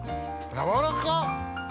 ◆やわらかっ。